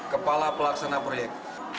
kepala pelaksana proyek